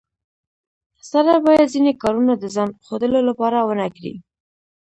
سړی باید ځینې کارونه د ځان ښودلو لپاره ونه کړي